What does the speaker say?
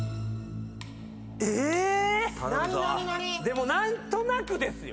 ⁉でも何となくですよ？